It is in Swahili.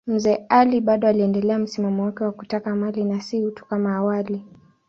Mzee Ali bado aliendelea msimamo wake wa kutaka mali na si utu kama awali.